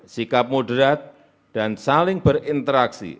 sikap moderat dan saling berinteraksi